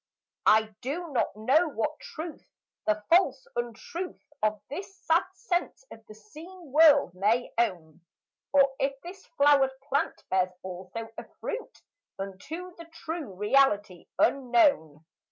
I do not know what truth the false untruth Of this sad sense of the seen world may own, Or if this flowered plant bears also a fruit Unto the true reality unknown.